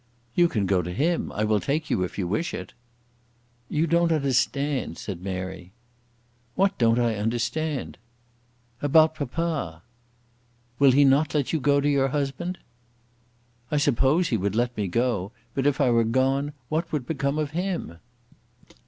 "You can go to him. I will take you if you wish it." "You don't understand," said Mary. "What don't I understand?" "About papa." "Will he not let you go to your husband?" "I suppose he would let me go; but if I were gone what would become of him?"